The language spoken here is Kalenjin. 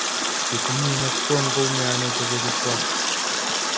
Chetinye ngetkong kounge ano togochuk kwak?